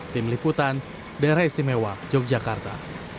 tim liputan daerah istimewa yogyakarta